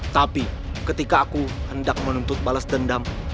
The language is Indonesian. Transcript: tapi ketika aku hendak menuntut balas dendam